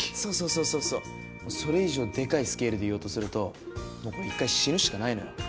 そうそうもうそれ以上デカいスケールで言おうとするともうこれ１回死ぬしかないのよ。